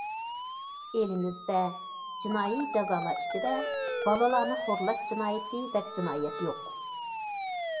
ئېلىمىزدە جىنايى جازالار ئىچىدە بالىلارنى خورلاش جىنايىتى دەپ جىنايەت يوق.